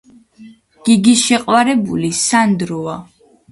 გიგის შეყვარებული სანდროა